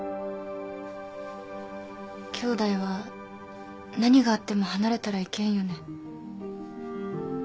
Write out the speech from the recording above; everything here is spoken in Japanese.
きょうだいは何があっても離れたらいけんよね。